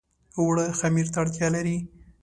اوړه خمیر ته اړتيا لري